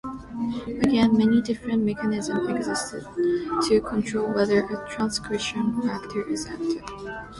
Again, many different mechanisms exist to control whether a transcription factor is active.